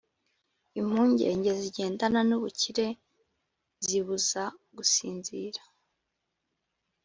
impungenge zigendana n’ubukire zibuza gusinzira.